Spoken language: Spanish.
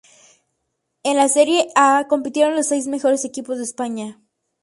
En la "Serie A" compitieron los seis mejores equipos de España.